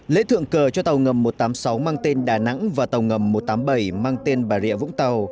lễ thượng cờ cho tàu ngầm một trăm tám mươi sáu mang tên đà nẵng và tàu ngầm một trăm tám mươi bảy mang tên bà rịa vũng tàu